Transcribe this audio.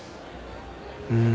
うん。